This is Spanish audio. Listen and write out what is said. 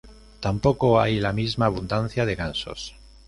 Tampoco hay la misma abundancia de gansos.